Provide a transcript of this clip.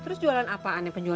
harus ga dia ujung